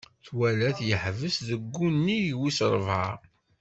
Twala-t yeḥbes deg wunnig wisrebɛa.